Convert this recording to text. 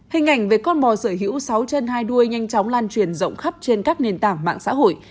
hình ảnh về con mò sở hữu sáu trên hai đuôi nhanh chóng lan truyền rộng khắp trên các nền tảng mạng xã hội